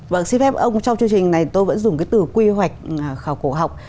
vâng xin phép ông trong chương trình này tôi vẫn dùng cái từ quy hoạch khảo cổ học